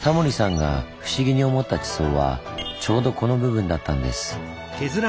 タモリさんが不思議に思った地層はちょうどこの部分だったんです。